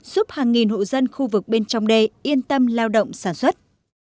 giúp hàng nghìn hộ dân khu vực bên trong đê yên tâm lao động sản xuất